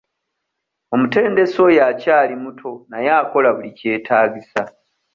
Omutendesi oyo akyali muto naye akola buli kyetaagisa.